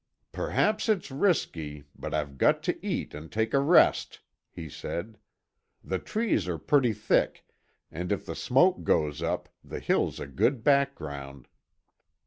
"Perhaps it's risky, but I've got to eat and take a rest," he said. "The trees are pretty thick, and if the smoke goes up, the hill's a good background."